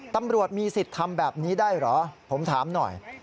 ตำรวจมีสิทธิ์ทำแบบนี้ได้เหรอผมถามหน่อย